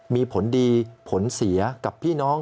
มีผลดีผลเสียกับพี่น้อง